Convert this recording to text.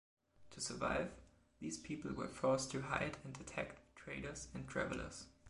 To survive, these people were forced to hide and attacked traders and travelers.